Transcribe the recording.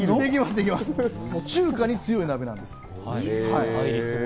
中華に強い鍋です。